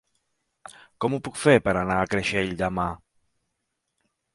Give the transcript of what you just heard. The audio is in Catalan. Com ho puc fer per anar a Creixell demà?